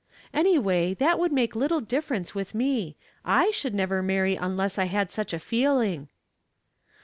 Anyway, that would make little difference with me. / should never marry unless I had such a feeling."